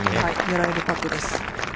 狙えるパットです。